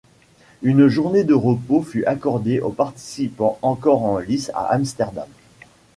Une journée de repos fut accordée aux participants encore en lice à Amsterdam.